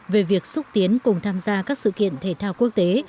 về việc xúc tiến cùng tham gia các sự kiện thể thao quốc tế